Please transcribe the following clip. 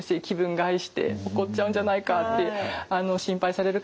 害して怒っちゃうんじゃないかって心配される方